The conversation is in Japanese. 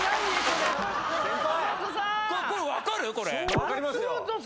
分かりますよ。